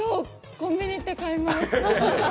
コンビニ行って買います。